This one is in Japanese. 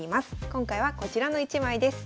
今回はこちらの１枚です。